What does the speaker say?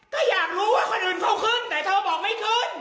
ก็อยากรู้ว่าคนอื่นเขาขึ้นแต่เธอบอกไม่ขึ้น